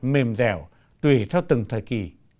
mềm dẻo tùy theo từng thời kỳ